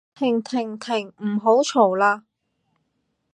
停停停唔好嘈喇